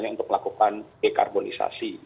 untuk melakukan dekarbonisasi